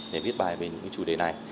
để viết bài về những chủ đề này